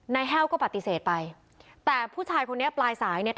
แห้วก็ปฏิเสธไปแต่ผู้ชายคนนี้ปลายสายเนี่ย